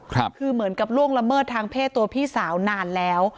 คือเหมือนกับล่วงละเมิดทางเพศตัวพี่สาวนานแล้ว